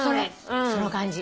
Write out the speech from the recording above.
その感じ。